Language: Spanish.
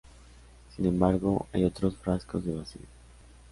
Sin embargo, hay otros frascos de vacío.